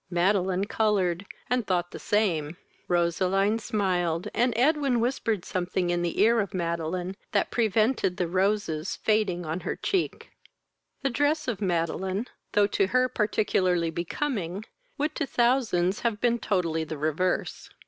Madeline coloured, and thought the same. Roseline smiled, and Edwin whispered something in the ear of Madeline that prevented the roses fading on her cheek. The dress of Madeline, though to her particularly becoming, would to thousands have been totally the reverse.